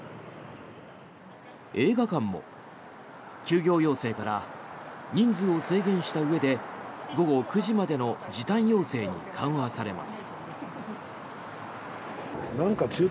映画館も休業要請から人数を制限したうえで午後９時までの時短要請に緩和されます。